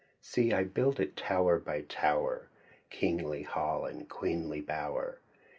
See I build it tower by tower. Kingly hall and queenly bower.